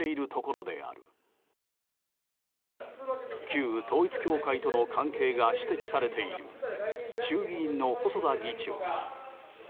旧統一教会との関係が指摘されている衆議院の細田議長。